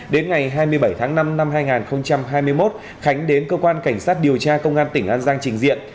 đến ngày hai mươi bảy tháng năm năm hai nghìn hai mươi một khánh đến cơ quan cảnh sát điều tra công an tỉnh an giang trình diện